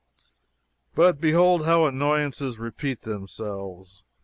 But behold how annoyances repeat themselves.